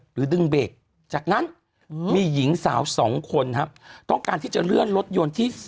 หรือดึงเบรกจากนั้นมีหญิงสาวสองคนครับต้องการที่จะเลื่อนรถยนต์ที่